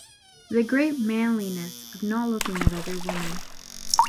the great manliness of not looking at other women